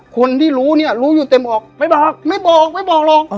คนที่รู้เนี่ยรู้อยู่เต็มออกไม่บอกไม่บอกไม่บอกหรอก